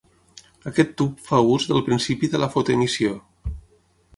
Aquest tub fa ús del principi de la fotoemissió.